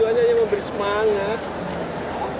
tujuannya yang memberi semangat